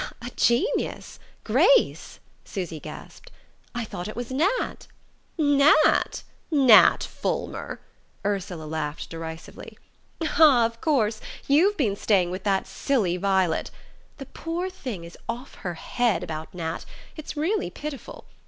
"A Genius Grace!" Susy gasped. "I thought it was Nat...." "Nat Nat Fulmer?" Ursula laughed derisively. "Ah, of course you've been staying with that silly Violet! The poor thing is off her head about Nat it's really pitiful.